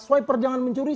swiper jangan mencuri